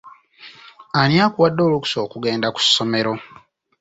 Ani akuwadde olukusa okugenda ku ssomero?